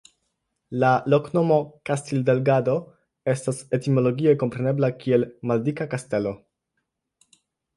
La loknomo "Castildelgado" estas etimologie komprenebla kiel "Maldika Kastelo".